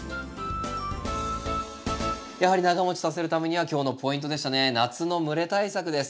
やはり長もちさせるためには今日のポイントでしたね夏の蒸れ対策です。